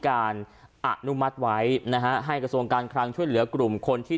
อนุมัติไว้นะฮะให้กระทรวงการคลังช่วยเหลือกลุ่มคนที่